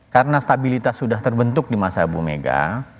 karena stabilitas sudah terbentuk di masa bu mega